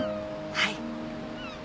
はい。